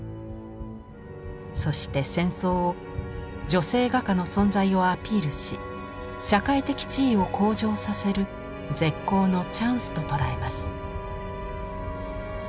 そして戦争を女性画家の存在をアピールし社会的地位を向上させる絶好のチャンスと捉えます。